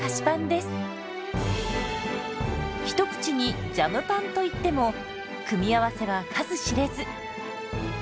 一口に「ジャムパン」といっても組み合わせは数知れず。